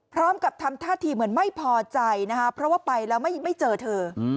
พร้อมกับทำท่าทีเหมือนไม่พอใจนะคะเพราะว่าไปแล้วไม่เจอเธอ